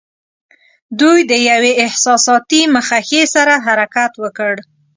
دوی د یوې احساساتي مخه ښې سره حرکت وکړ.